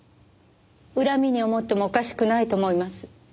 恨みに思ってもおかしくないと思います。